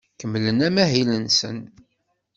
Kemmlen amahil-nsen.